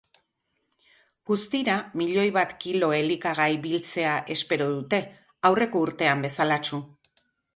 Guztira, milioi bat kilo elikagai biltzea espero dute, aurreko urtean bezalatsu.